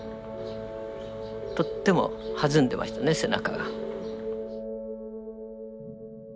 とっても弾んでましたね背中が。